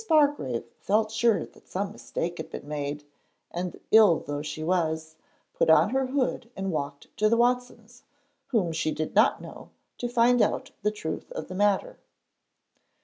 Bargrave felt sure that some mistake had been made, and, ill though she was, put on her hood and walked to the Watsons' (whom she did not know) to find out the truth of the matter.